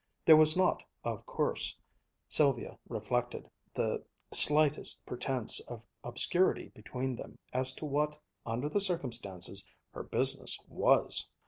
There was not, of course, Sylvia reflected, the slightest pretense of obscurity between them as to what, under the circumstances, her business was.